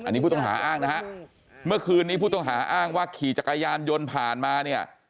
อันนี้ผู้ต้องหาอ้างนะฮะเมื่อคืนนี้ผู้ต้องหาอ้างว่าขี่จักรยานยนต์ผ่านมาเนี่ย